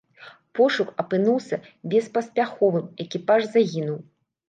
Пошук апынуўся беспаспяховым, экіпаж загінуў.